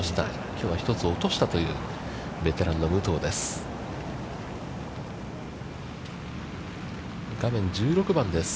きょうは１つ落としたというベテランの武藤です。